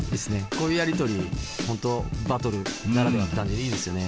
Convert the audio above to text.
こういうやり取り本当バトルならではって感じでいいですよね。